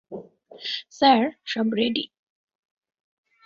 Sir, সব ready.